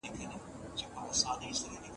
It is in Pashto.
پښتو به په انټرنیټي پروګرامونو کې ځای ومومي.